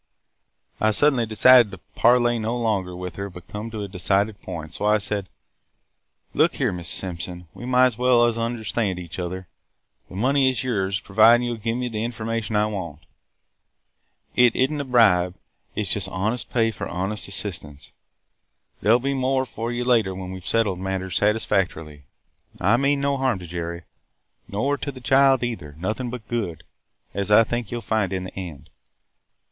"I suddenly decided to parley no longer with her but come to a decided point, so I said: 'Look here, Mrs. Simpson, we might as well understand each other. This money is yours, provided you will give me the information I want. It is n't a bribe. It 's just honest pay for honest assistance. There 'll be more for you later when we 've settled matters satisfactorily. I mean no harm to Jerry – nor to the child either – nothing but good, as I think you 'll find in the end.